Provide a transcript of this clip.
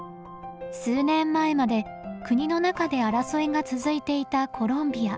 数年前まで国の中で争いが続いていたコロンビア。